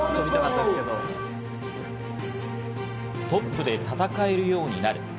トップで戦えるようになる。